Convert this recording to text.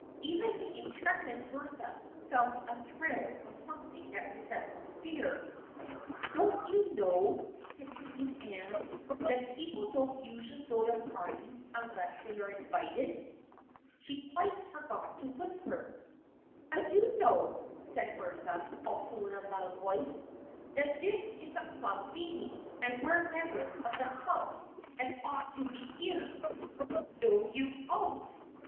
Even the intrepid Bertha felt a thrill of something that resembled fear. " Don't you know," continued Anne, " that peo ple don't usually go to parties unless they are in vited?" She quite forgot to whisper. " I do know," said Bertha, also in a loud voice, " that this is a Club meeting, and we're members of the Club and ought to be here." "No, you oughtn't !